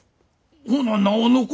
ほななおのこと